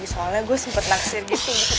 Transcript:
soalnya gue sempat naksir gitu